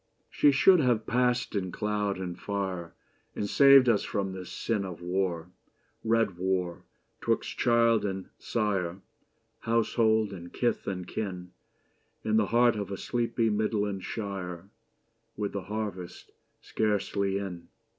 She should have passed in cloud and fire And saved us from this sin Of war — red Avar — 'twixt child and sire, Household and kith and kin, In the heart of a sleepy Midland shire, With the harvest scarcely in.